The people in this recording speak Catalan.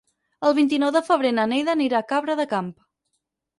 El vint-i-nou de febrer na Neida anirà a Cabra del Camp.